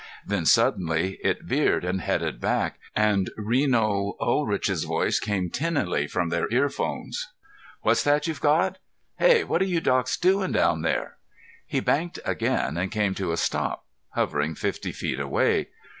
Then, suddenly, it veered and headed back, and Reno Unrich's voice came tinnily from their earphones: "What's that you've got? Hey, what are you docs doing down there?" He banked again and came to a stop, hovering fifty feet away.